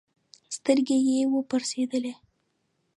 سترګي یې وپړسېدلې